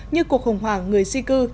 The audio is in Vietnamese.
như cuộc khủng hoảng người di cư